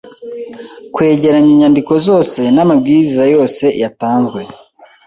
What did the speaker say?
kwegeranya inyandiko zose n’amabwiriza yose yatanzwe